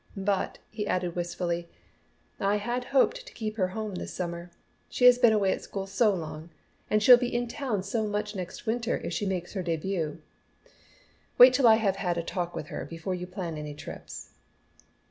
But," he added wistfully, "I had hoped to keep her home this summer. She has been away at school so long and she'll be in town so much next winter if she makes her début. Wait till I have had a talk with her before you plan any trips."